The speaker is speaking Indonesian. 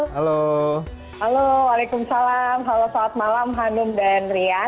halo halo waalaikumsalam halo selamat malam hanum dan rian